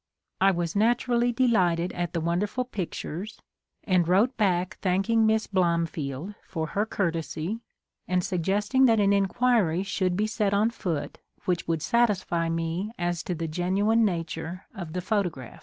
I was naturally delighted at the wonderful pictures, and wrote back thanking Miss Blomfield for her courtesy, and suggesting that an inquiry should be set on foot which would satisfy me as to the genuine nature of the photographs.